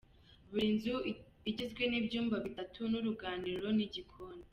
Buri nzu igizwe n’ibyumba bitatu n’uruganiriro n’igikoni.